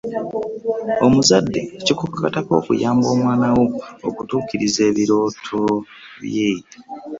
Omuzadde kikukakatako okuyamba ku mwana wo okutuukiriza ebirooto bye.